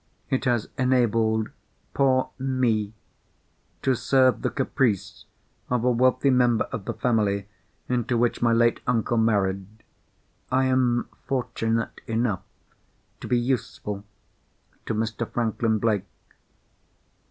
It has enabled poor Me to serve the caprice of a wealthy member of the family into which my late uncle married. I am fortunate enough to be useful to Mr. Franklin Blake.